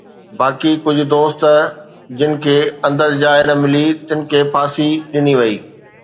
باقي ڪجهه دوست جن کي اندر جاءِ نه ملي، تن کي ڦاسي ڏني وئي.